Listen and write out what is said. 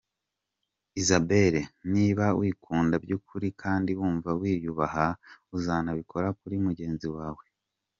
Isabelle : Niba wikunda by’ukuri kandi wumva wiyubaha uzanabikora kuri mugenzi wawe.